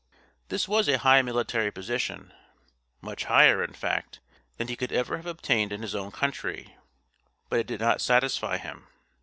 This was a high military position, much higher, in fact, than he could ever have obtained in his own country, but it did not satisfy him.